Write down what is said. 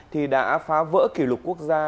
thì đã phá vỡ kỷ lục quốc gia